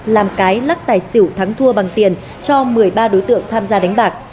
làm cái lắc tài xỉu thắng thua bằng tiền cho một mươi ba đối tượng tham gia đánh bạc